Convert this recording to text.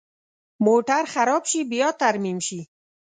موټر خراب شي، باید ترمیم شي.